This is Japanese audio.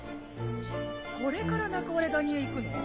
これから中折れ谷へ行くの？